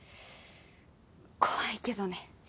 怖いけどね。